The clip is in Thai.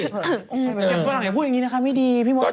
อย่ากลัวอย่างนี้นะคะไม่ดีพี่มมสวยอย่างจริง